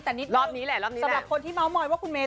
แต่นี่สำหรับคนที่ม้อมอยว่าคุณเมย์